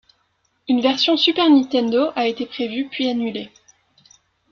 Une version Super Nintendo a été prévue, puis annulée.